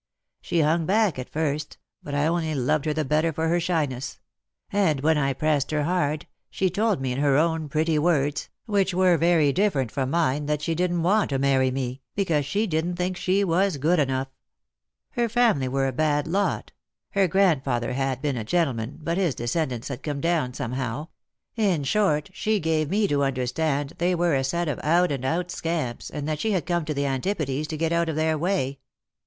She hung back at first, but I only loved her the better for her shyness ; and when I pressed her hard, ahe told me in her own pretty words, which were very different from mine, that she didn't want to marry me, because she didn't think she was good enough ; her family were a bad lot; her grandfather had been a gentleman, but hi 3 12 Lost for Love. descendants had come down somehow ; in short, she gave me to understand they were a set of out and out scamps, and that she had come to the Antipodes to get out of their way.